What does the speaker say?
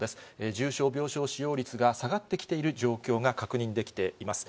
重症病床使用率が下がってきている状況が確認できています。